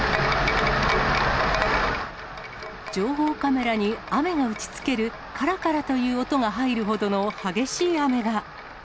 情報カメラに雨が打ちつけるからからという音が入るほどの激しい雨が。